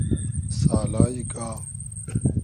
سالای گا